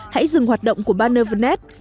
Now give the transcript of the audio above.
hãy dừng hoạt động của ban evernest